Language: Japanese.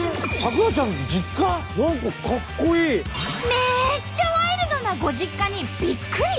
めっちゃワイルドなご実家にびっくり！